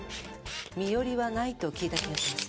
身寄りはないと聞いた気がします。